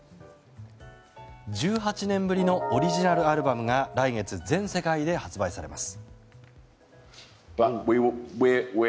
１８年ぶりのオリジナルアルバムが来月全世界で発売されます。